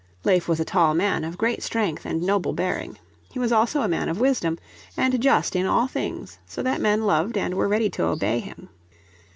Leif was a tall man, of great strength and noble bearing. He was also a man of wisdom, and just in all things, so that men loved and were ready to obey him.